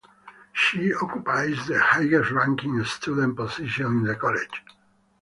She occupies the highest-ranking student position in the College.